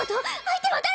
相手は誰？